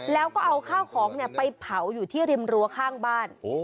แล้วก็เอาข้าวของไปเผาอยู่ที่ริมรั้วข้างบ้าน